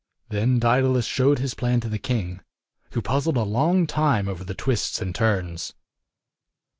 Then Daedalus showed his plan to the king, who puzzled a long time over the twists and turns.